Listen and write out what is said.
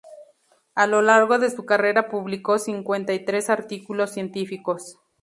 A lo largo de su carrera publicó cincuenta y tres artículos científicos.